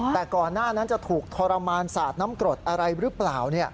แต่ก่อนหน้านั้นจะถูกทรมานสาดน้ำกรดอะไรหรือเปล่า